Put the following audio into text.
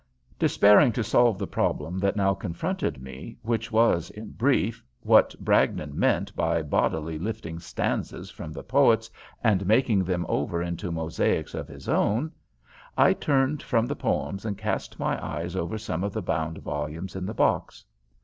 Despairing to solve the problem that now confronted me, which was, in brief, what Bragdon meant by bodily lifting stanzas from the poets and making them over into mosaics of his own, I turned from the poems and cast my eyes over some of the bound volumes in the box.